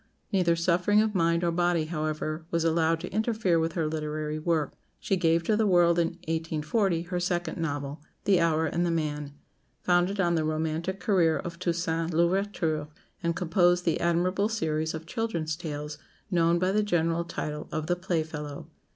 Neither suffering of mind or body, however, was allowed to interfere with her literary work. She gave to the world in 1840 her second novel, "The Hour and the Man," founded on the romantic career of Toussaint L'Ouverture; and composed the admirable series of children's tales, known by the general title of "The Playfellow."